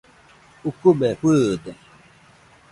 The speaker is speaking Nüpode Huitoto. Ukube fɨɨde.